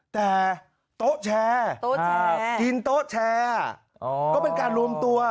แต่โต๊ะแชร์โต๊ะแชร์กินโต๊ะแชร์ก็เป็นการรวมตัว